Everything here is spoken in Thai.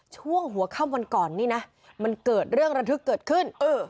ช่วงหัวเข้าบนกรณ์มันเกิดเรื่องละทึกขึ้น